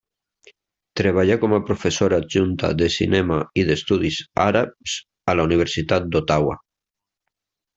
Treballa com a professora adjunta de cinema i d'estudis àrabs a la Universitat d'Ottawa.